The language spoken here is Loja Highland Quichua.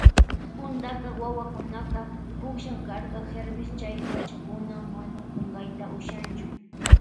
Puntaka wawakunaka punllan karka Hervis chay pachakuna mana kunkayta ushaychu.